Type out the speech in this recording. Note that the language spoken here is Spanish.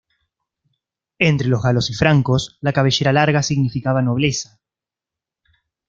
Entre los galos y francos, la cabellera larga significaba nobleza.